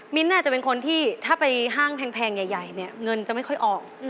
น่าจะเป็นคนที่ถ้าไปห้างแพงใหญ่เนี่ยเงินจะไม่ค่อยออก